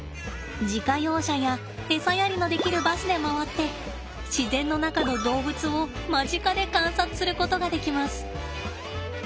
自家用車や餌やりのできるバスで回って自然の中の動物を間近で観察することができます。